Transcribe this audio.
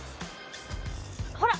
ほら！